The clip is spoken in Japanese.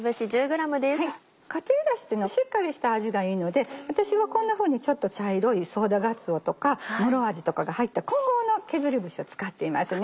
かけ湯だしっていうのはしっかりした味がいいので私はこんなふうにちょっと茶色い宗田がつおとかむろあじとかが入った混合の削り節を使っていますね。